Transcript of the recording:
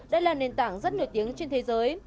đây là nền tảng rất nổi tiếng trên thế giới